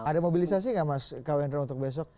ada mobilisasi nggak mas kawendra untuk besok